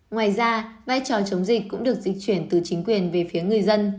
ngoài ra vai trò chống dịch cũng được dịch chuyển từ chính quyền về phía người dân